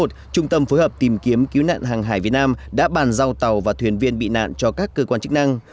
trung tâm phối hợp tìm kiếm cứu nạn hàng hải việt nam đã bàn giao tàu và thuyền viên bị nạn cho các cơ quan chức năng